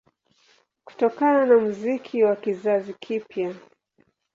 Kutokana na muziki wa kizazi kipya